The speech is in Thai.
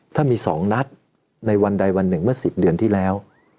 ถ้ามี๒นัดในวันใดวันหนึ่งเมื่อ๑๐เดือนที่แล้ว